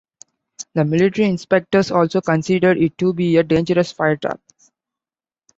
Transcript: The military inspectors also considered it to be a dangerous fire trap.